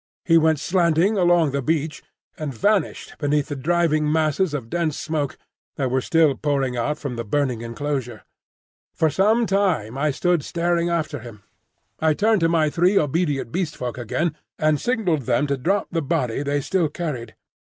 He went slanting along the beach, and vanished beneath the driving masses of dense smoke that were still pouring out from the burning enclosure. For some time I stood staring after him. I turned to my three obedient Beast Folk again and signalled them to drop the body they still carried.